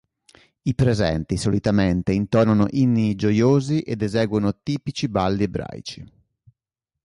I presenti solitamente intonano inni gioiosi ed eseguono tipici balli ebraici.